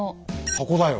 箱だよ。